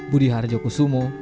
budi harjah kusumo